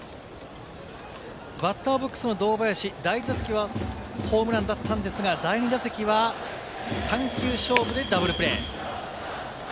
バッターボックスの堂林、第１打席はホームランだったんですが、第２打席は３球勝負でダブルプレー。